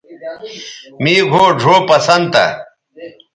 مے گھؤ ڙھؤ پسند تھا